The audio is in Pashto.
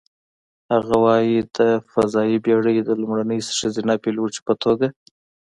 هغه وايي: "د فضايي بېړۍ د لومړنۍ ښځینه پیلوټې په توګه،